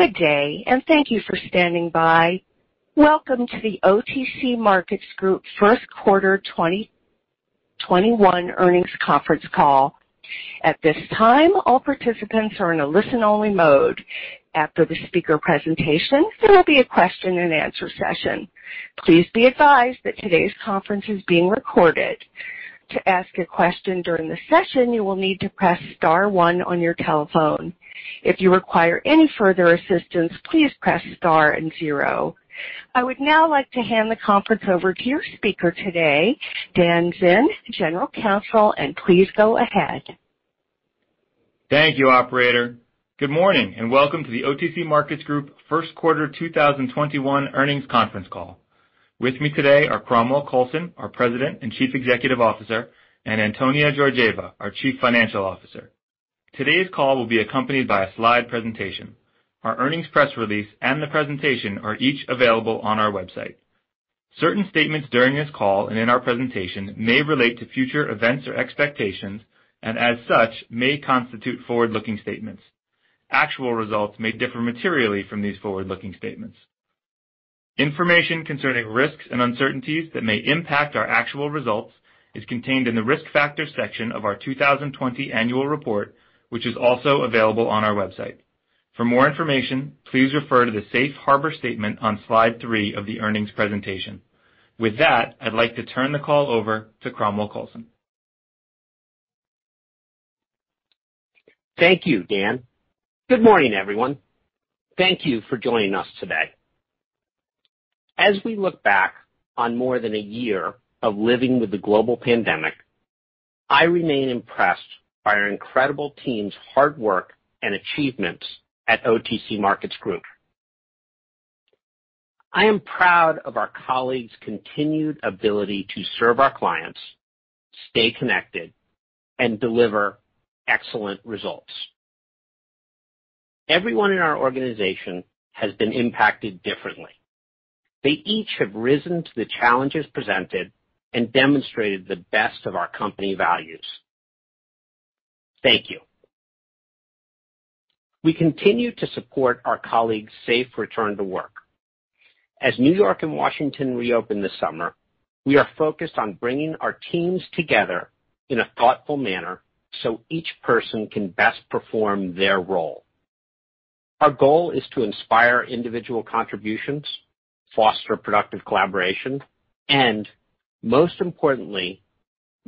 Good day, and thank you for standing by. Welcome to the OTC Markets Group First Quarter 2021 Earnings Conference Call. At this time, all participants are in a listen-only mode. After the speaker presentation, there will be a question-and-answer session. Please be advised that today's conference is being recorded. To ask a question during the session, you will need to press star one on your telephone. If you require any further assistance, please press star and zero. I would now like to hand the conference over to your speaker today, Dan Zinn, General Counsel, and please go ahead. Thank you, Operator. Good morning and welcome to the OTC Markets Group First Quarter 2021 Earnings Conference Call. With me today are Cromwell Coulson, our President and Chief Executive Officer, and Antonia Georgieva, our Chief Financial Officer. Today's call will be accompanied by a slide presentation. Our earnings press release and the presentation are each available on our website. Certain statements during this call and in our presentation may relate to future events or expectations, and as such, may constitute forward-looking statements. Actual results may differ materially from these forward-looking statements. Information concerning risks and uncertainties that may impact our actual results is contained in the risk factor section of our 2020 annual report, which is also available on our website. For more information, please refer to the safe harbor statement on slide three of the earnings presentation. With that, I'd like to turn the call over to Cromwell Coulson. Thank you, Dan. Good morning, everyone. Thank you for joining us today. As we look back on more than a year of living with the global pandemic, I remain impressed by our incredible team's hard work and achievements at OTC Markets Group. I am proud of our colleagues' continued ability to serve our clients, stay connected, and deliver excellent results. Everyone in our organization has been impacted differently. They each have risen to the challenges presented and demonstrated the best of our company values. Thank you. We continue to support our colleagues' safe return to work. As New York and Washington reopen this summer, we are focused on bringing our teams together in a thoughtful manner so each person can best perform their role. Our goal is to inspire individual contributions, foster productive collaboration, and, most importantly,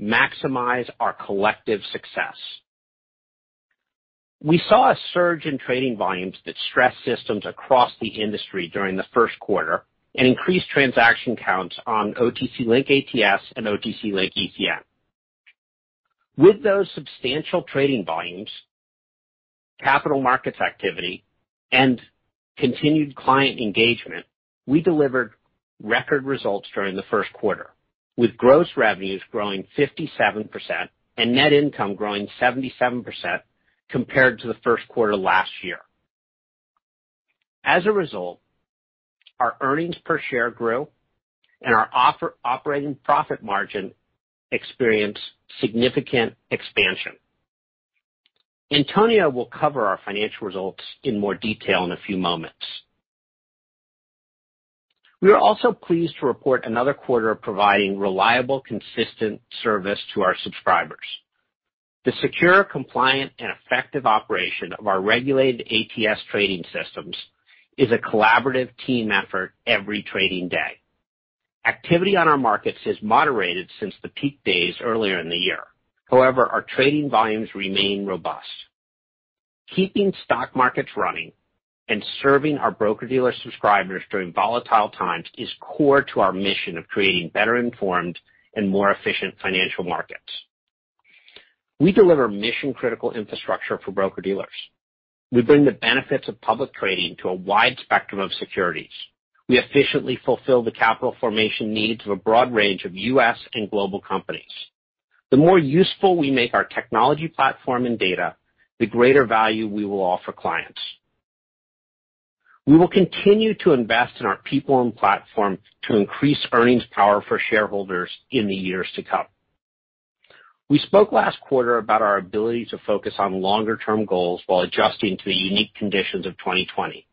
maximize our collective success. We saw a surge in trading volumes that stressed systems across the industry during the first quarter and increased transaction counts on OTC Link ATS and OTC Link ECN. With those substantial trading volumes, capital markets activity, and continued client engagement, we delivered record results during the first quarter, with gross revenues growing 57% and net income growing 77% compared to the first quarter last year. As a result, our earnings per share grew, and our operating profit margin experienced significant expansion. Antonia will cover our financial results in more detail in a few moments. We are also pleased to report another quarter of providing reliable, consistent service to our subscribers. The secure, compliant, and effective operation of our regulated ATS trading systems is a collaborative team effort every trading day. Activity on our markets has moderated since the peak days earlier in the year. However, our trading volumes remain robust. Keeping stock markets running and serving our broker-dealer subscribers during volatile times is core to our mission of creating better-informed and more efficient financial markets. We deliver mission-critical infrastructure for broker-dealers. We bring the benefits of public trading to a wide spectrum of securities. We efficiently fulfill the capital formation needs of a broad range of U.S. and global companies. The more useful we make our technology platform and data, the greater value we will offer clients. We will continue to invest in our people and platform to increase earnings power for shareholders in the years to come. We spoke last quarter about our ability to focus on longer-term goals while adjusting to the unique conditions of 2020.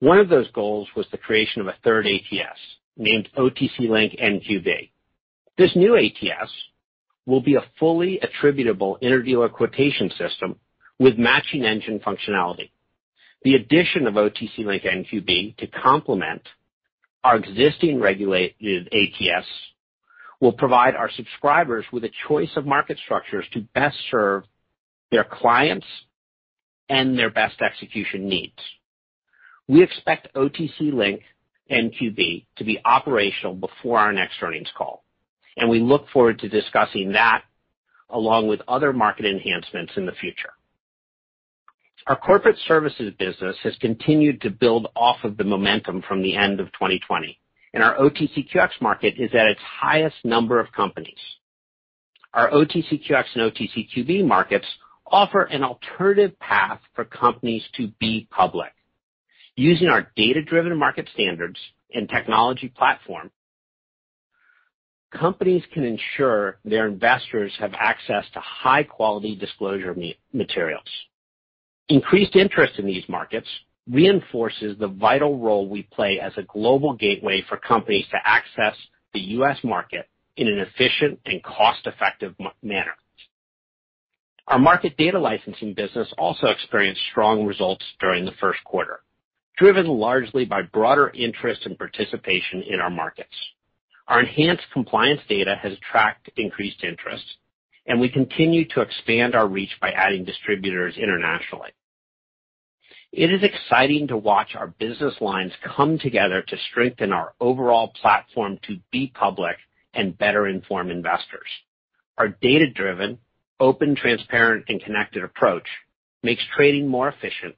One of those goals was the creation of a third ATS named OTC Link NQB. This new ATS will be a fully attributable inter-dealer quotation system with matching engine functionality. The addition of OTC Link NQB to complement our existing regulated ATS will provide our subscribers with a choice of market structures to best serve their clients and their best execution needs. We expect OTC Link NQB to be operational before our next earnings call, and we look forward to discussing that along with other market enhancements in the future. Our corporate services business has continued to build off of the momentum from the end of 2020, and our OTCQX market is at its highest number of companies. Our OTCQX and OTCQB markets offer an alternative path for companies to be public. Using our data-driven market standards and technology platform, companies can ensure their investors have access to high-quality disclosure materials. Increased interest in these markets reinforces the vital role we play as a global gateway for companies to access the U.S. market in an efficient and cost-effective manner. Our market data licensing business also experienced strong results during the first quarter, driven largely by broader interest and participation in our markets. Our enhanced compliance data has attracted increased interest, and we continue to expand our reach by adding distributors internationally. It is exciting to watch our business lines come together to strengthen our overall platform to be public and better-informed investors. Our data-driven, open, transparent, and connected approach makes trading more efficient,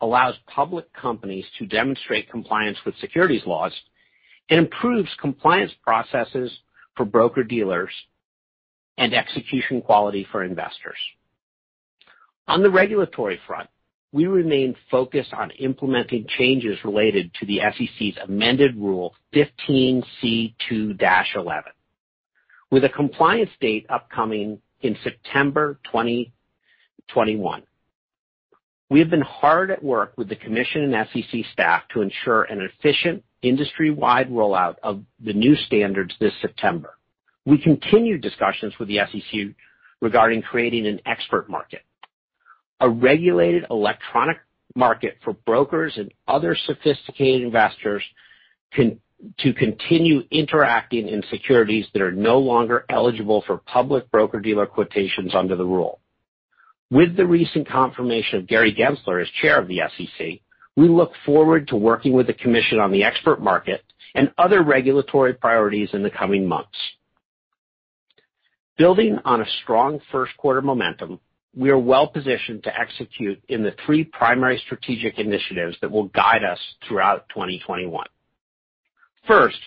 allows public companies to demonstrate compliance with securities laws, and improves compliance processes for broker-dealers and execution quality for investors. On the regulatory front, we remain focused on implementing changes related to the SEC's amended Rule 15c2-11, with a compliance date upcoming in September 2021. We have been hard at work with the commission and SEC staff to ensure an efficient industry-wide rollout of the new standards this September. We continue discussions with the SEC regarding creating an expert market, a regulated electronic market for brokers and other sophisticated investors to continue interacting in securities that are no longer eligible for public broker-dealer quotations under the rule. With the recent confirmation of Gary Gensler as Chair of the SEC, we look forward to working with the commission on the expert market and other regulatory priorities in the coming months. Building on a strong first-quarter momentum, we are well-positioned to execute in the three primary strategic initiatives that will guide us throughout 2021. First,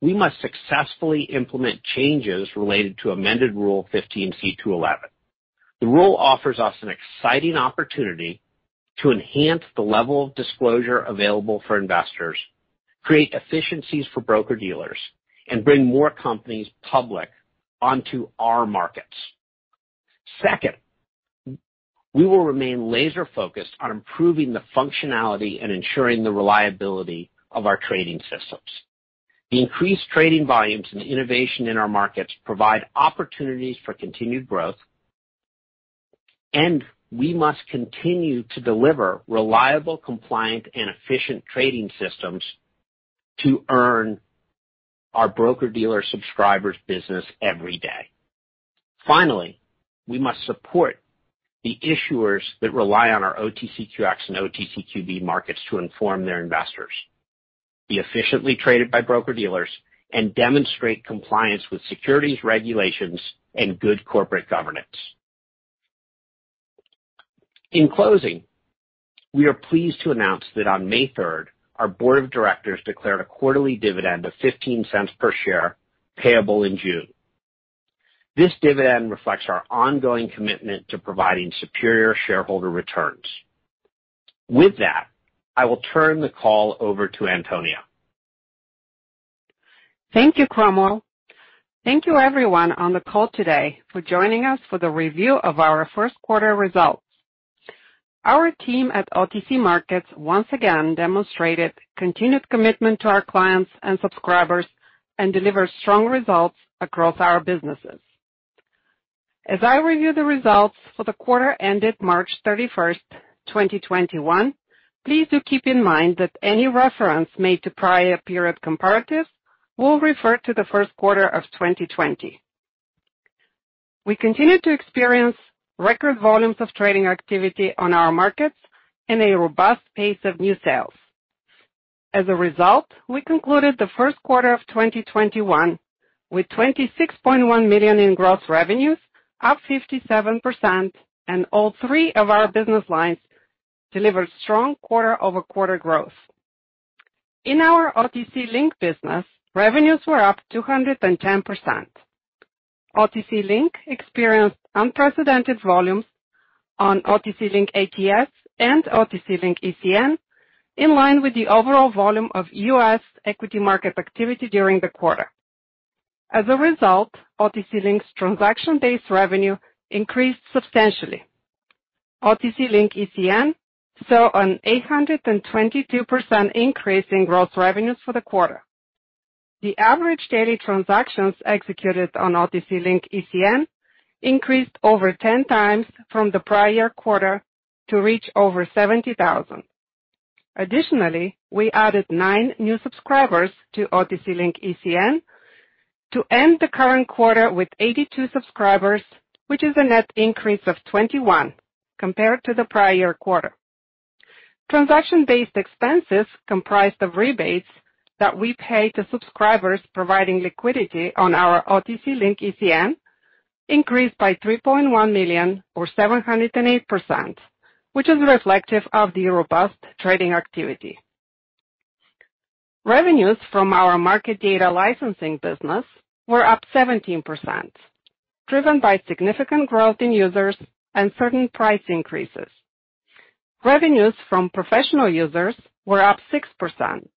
we must successfully implement changes related to amended Rule 15c2-11. The rule offers us an exciting opportunity to enhance the level of disclosure available for investors, create efficiencies for broker-dealers, and bring more companies public onto our markets. Second, we will remain laser-focused on improving the functionality and ensuring the reliability of our trading systems. The increased trading volumes and innovation in our markets provide opportunities for continued growth, and we must continue to deliver reliable, compliant, and efficient trading systems to earn our broker-dealer subscribers' business every day. Finally, we must support the issuers that rely on our OTCQX and OTCQB markets to inform their investors, be efficiently traded by broker-dealers, and demonstrate compliance with securities, regulations, and good corporate governance. In closing, we are pleased to announce that on May 3, our board of directors declared a quarterly dividend of $0.15 per share payable in June. This dividend reflects our ongoing commitment to providing superior shareholder returns. With that, I will turn the call over to Antonia. Thank you, Cromwell. Thank you, everyone on the call today, for joining us for the review of our first-quarter results. Our team at OTC Markets once again demonstrated continued commitment to our clients and subscribers and delivered strong results across our businesses. As I review the results for the quarter ended March 31, 2021, please do keep in mind that any reference made to prior period comparatives will refer to the first quarter of 2020. We continue to experience record volumes of trading activity on our markets and a robust pace of new sales. As a result, we concluded the first quarter of 2021 with $26.1 million in gross revenues, up 57%, and all three of our business lines delivered strong quarter-over-quarter growth. In our OTC Link business, revenues were up 210%. OTC Link experienced unprecedented volumes on OTC Link ATS and OTC Link ECN, in line with the overall volume of U.S. equity market activity during the quarter. As a result, OTC Link's transaction-based revenue increased substantially. OTC Link ECN saw an 822% increase in gross revenues for the quarter. The average daily transactions executed on OTC Link ECN increased over 10 times from the prior quarter to reach over 70,000. Additionally, we added nine new subscribers to OTC Link ECN to end the current quarter with 82 subscribers, which is a net increase of 21 compared to the prior quarter. Transaction-based expenses comprised of rebates that we paid to subscribers providing liquidity on our OTC Link ECN increased by $3.1 million, or 708%, which is reflective of the robust trading activity. Revenues from our market data licensing business were up 17%, driven by significant growth in users and certain price increases. Revenues from professional users were up 6%,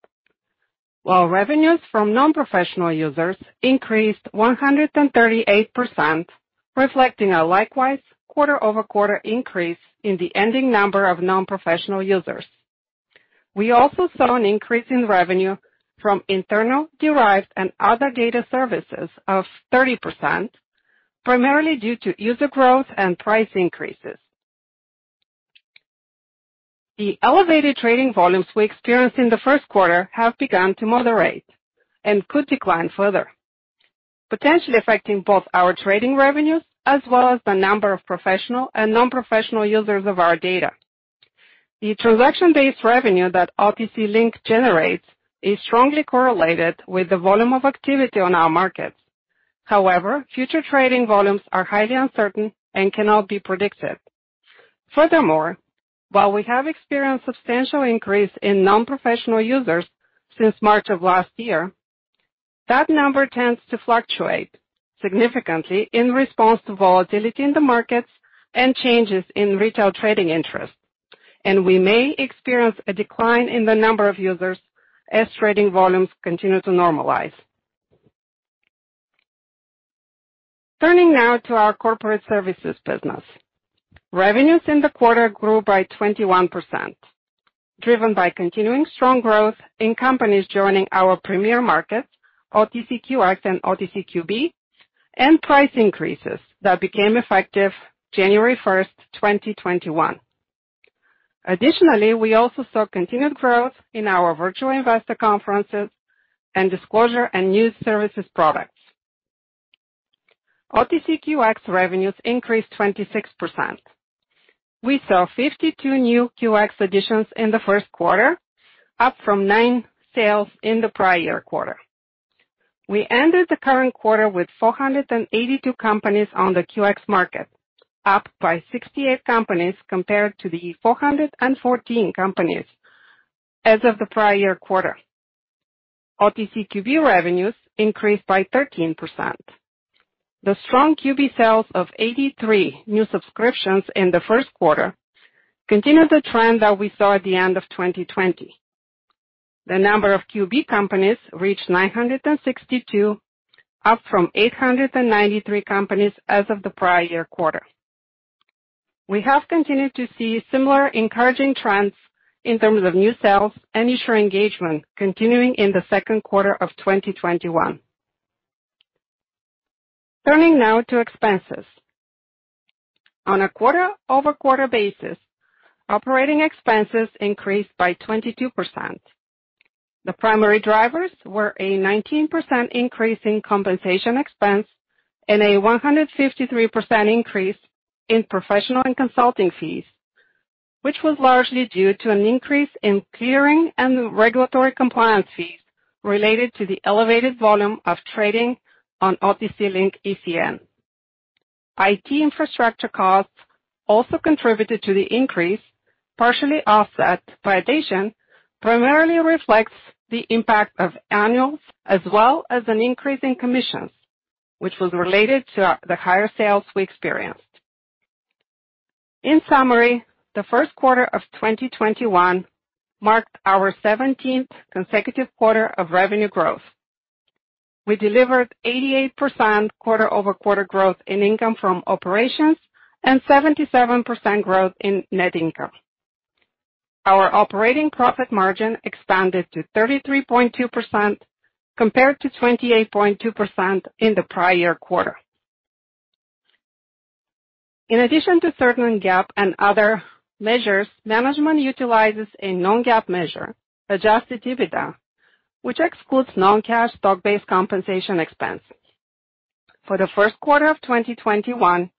while revenues from non-professional users increased 138%, reflecting a likewise quarter-over-quarter increase in the ending number of non-professional users. We also saw an increase in revenue from internal, derived, and other data services of 30%, primarily due to user growth and price increases. The elevated trading volumes we experienced in the first quarter have begun to moderate and could decline further, potentially affecting both our trading revenues as well as the number of professional and non-professional users of our data. The transaction-based revenue that OTC Link generates is strongly correlated with the volume of activity on our markets. However, future trading volumes are highly uncertain and cannot be predicted. Furthermore, while we have experienced a substantial increase in non-professional users since March of last year, that number tends to fluctuate significantly in response to volatility in the markets and changes in retail trading interest, and we may experience a decline in the number of users as trading volumes continue to normalize. Turning now to our corporate services business, revenues in the quarter grew by 21%, driven by continuing strong growth in companies joining our premier markets, OTCQX and OTCQB, and price increases that became effective January 1, 2021. Additionally, we also saw continued growth in our Virtual Investor Conferences and Disclosure and News Services products. OTCQX revenues increased 26%. We saw 52 new QX additions in the first quarter, up from nine sales in the prior quarter. We ended the current quarter with 482 companies on the QX market, up by 68 companies compared to the 414 companies as of the prior quarter. OTCQB revenues increased by 13%. The strong QB sales of 83 new subscriptions in the first quarter continued the trend that we saw at the end of 2020. The number of QB companies reached 962, up from 893 companies as of the prior quarter. We have continued to see similar encouraging trends in terms of new sales and issuer engagement continuing in the second quarter of 2021. Turning now to expenses. On a quarter-over-quarter basis, operating expenses increased by 22%. The primary drivers were a 19% increase in compensation expense and a 153% increase in professional and consulting fees, which was largely due to an increase in clearing and regulatory compliance fees related to the elevated volume of trading on OTC Link ECN. IT infrastructure costs also contributed to the increase, partially offset by. Translation primarily reflects the impact of annuals as well as an increase in commissions, which was related to the higher sales we experienced. In summary, the first quarter of 2021 marked our 17th consecutive quarter of revenue growth. We delivered 88% quarter-over-quarter growth in income from operations and 77% growth in net income. Our operating profit margin expanded to 33.2% compared to 28.2% in the prior quarter. In addition to certain GAAP and other measures, management utilizes a non-GAAP measure, adjusted EBITDA, which excludes non-cash stock-based compensation expense. For the first quarter of 2021,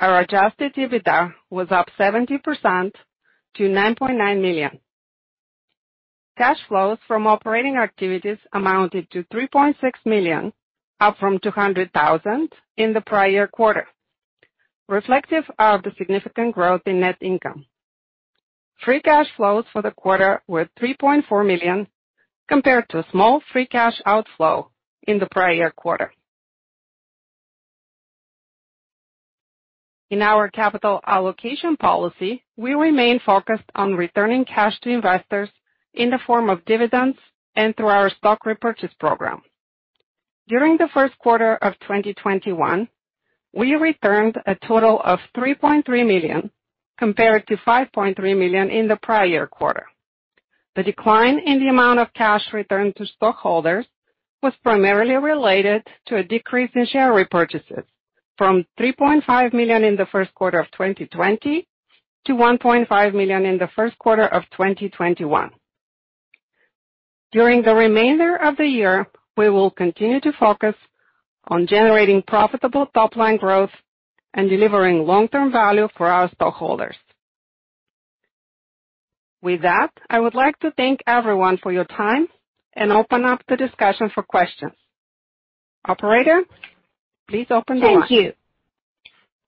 our adjusted EBITDA was up 70% to $9.9 million. Cash flows from operating activities amounted to $3.6 million, up from $200,000 in the prior quarter, reflective of the significant growth in net income. Free cash flows for the quarter were $3.4 million compared to a small free cash outflow in the prior quarter. In our capital allocation policy, we remain focused on returning cash to investors in the form of dividends and through our stock repurchase program. During the first quarter of 2021, we returned a total of $3.3 million compared to $5.3 million in the prior quarter. The decline in the amount of cash returned to stockholders was primarily related to a decrease in share repurchases from $3.5 million in the first quarter of 2020 to $1.5 million in the first quarter of 2021. During the remainder of the year, we will continue to focus on generating profitable top-line growth and delivering long-term value for our stockholders. With that, I would like to thank everyone for your time and open up the discussion for questions. Operator, please open the mic. Thank you.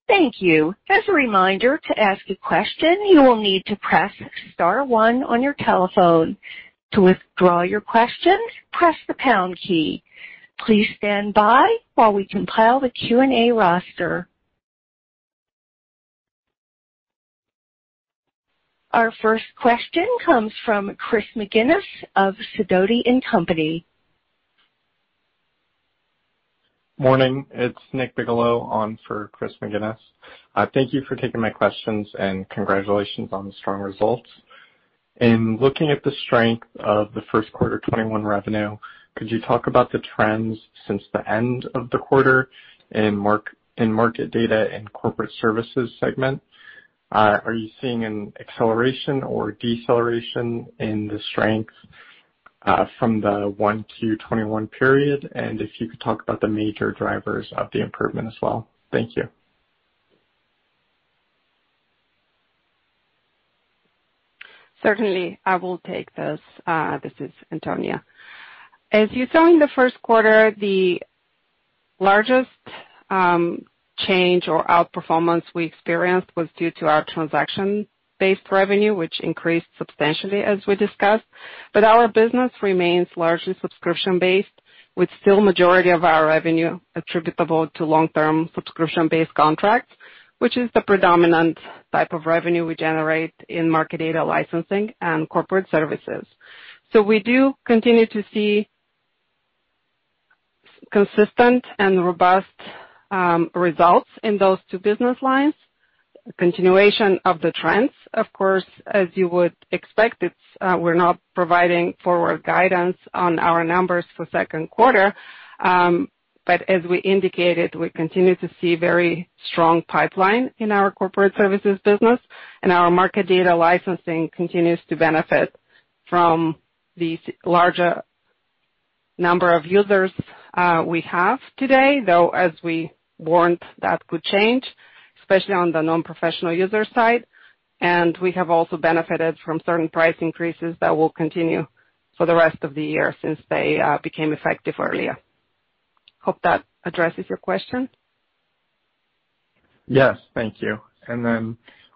Thank you. As a reminder, to ask a question, you will need to press star one on your telephone. To withdraw your question, press the pound key. Please stand by while we compile the Q&A roster. Our first question comes from Chris McGinnis of Sidoti & Company. Morning. It's Nick Bigelow on for Chris McGinnis. Thank you for taking my questions and congratulations on the strong results. In looking at the strength of the first quarter 2021 revenue, could you talk about the trends since the end of the quarter in market data and corporate services segment? Are you seeing an acceleration or deceleration in the strength from the 2012 to 2021 period? If you could talk about the major drivers of the improvement as well. Thank you. Certainly, I will take this. This is Antonia. As you saw in the first quarter, the largest change or outperformance we experienced was due to our transaction-based revenue, which increased substantially as we discussed. Our business remains largely subscription-based, with still the majority of our revenue attributable to long-term subscription-based contracts, which is the predominant type of revenue we generate in market data licensing and corporate services. We do continue to see consistent and robust results in those two business lines. Continuation of the trends, of course, as you would expect, we're not providing forward guidance on our numbers for the second quarter. As we indicated, we continue to see a very strong pipeline in our corporate services business, and our market data licensing continues to benefit from the larger number of users we have today, though, as we warned, that could change, especially on the non-professional user side. We have also benefited from certain price increases that will continue for the rest of the year since they became effective earlier. Hope that addresses your question. Yes. Thank you.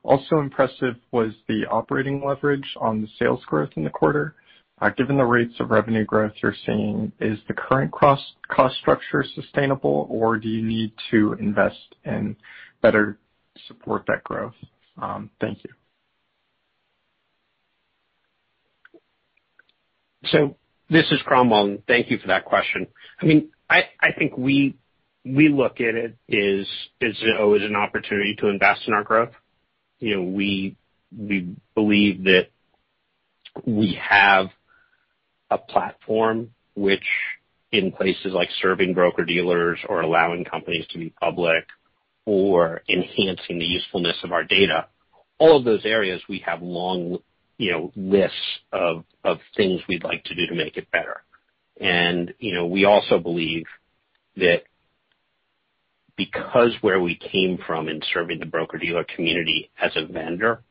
Also impressive was the operating leverage on the sales growth in the quarter. Given the rates of revenue growth you're seeing, is the current cost structure sustainable, or do you need to invest and better support that growth? Thank you. This is Cromwell. Thank you for that question. I mean, I think we look at it as always an opportunity to invest in our growth. We believe that we have a platform which, in places like serving broker-dealers or allowing companies to be public or enhancing the usefulness of our data, all of those areas, we have long lists of things we'd like to do to make it better. We also believe that because where we came from in serving the broker-dealer community as a vendor,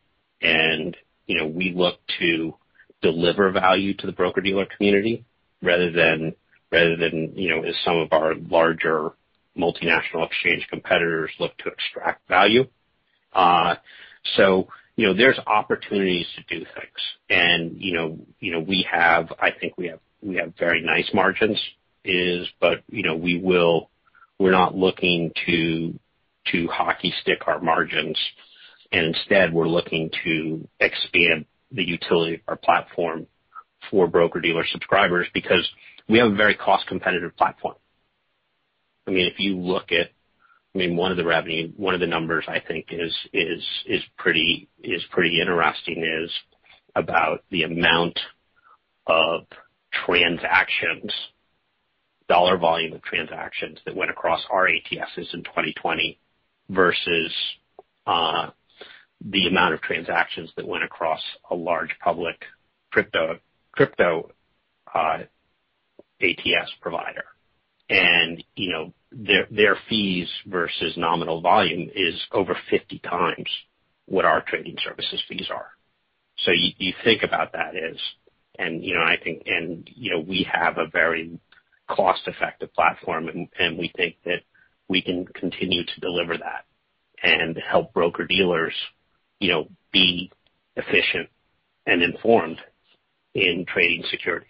and we look to deliver value to the broker-dealer community rather than as some of our larger multinational exchange competitors look to extract value. There are opportunities to do things. I think we have very nice margins, but we're not looking to hockey stick our margins. Instead, we're looking to expand the utility of our platform for broker-dealer subscribers because we have a very cost-competitive platform. I mean, if you look at, I mean, one of the revenue, one of the numbers I think is pretty interesting is about the amount of transactions, dollar volume of transactions that went across our ATSs in 2020 versus the amount of transactions that went across a large public crypto ATS provider. Their fees versus nominal volume is over 50 times what our trading services fees are. You think about that as, and I think, and we have a very cost-effective platform, and we think that we can continue to deliver that and help broker-dealers be efficient and informed in trading securities.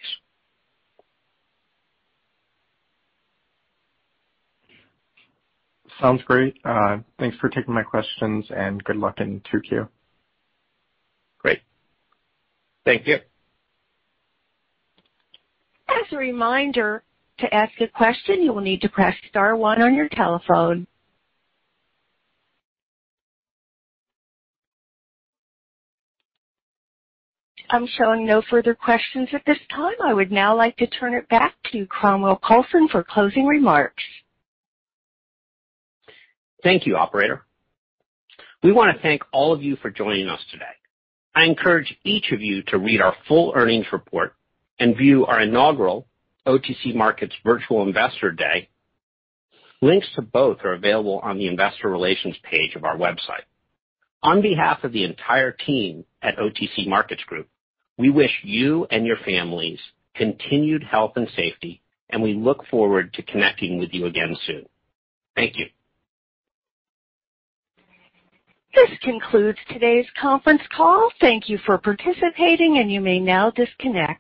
Sounds great. Thanks for taking my questions, and good luck in Tokyo. Great. Thank you. As a reminder, to ask a question, you will need to press star one on your telephone. I'm showing no further questions at this time. I would now like to turn it back to Cromwell Coulson for closing remarks. Thank you, Operator. We want to thank all of you for joining us today. I encourage each of you to read our full earnings report and view our inaugural OTC Markets Virtual Investor Day. Links to both are available on the Investor Relations page of our website. On behalf of the entire team at OTC Markets Group, we wish you and your families continued health and safety, and we look forward to connecting with you again soon. Thank you. This concludes today's conference call. Thank you for participating, and you may now disconnect.